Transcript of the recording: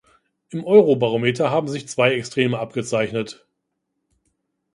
Im Eurobarometer haben sich zwei Extreme abgezeichnet.